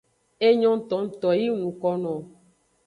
Enyo tongto yi ng nuko nowo.